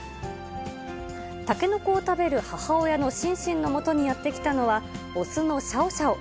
タケノコを食べる母親のシンシンのもとにやって来たのは、雄のシャオシャオ。